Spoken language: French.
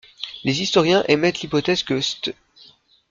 Les historiens émettent l'hypothèse que St.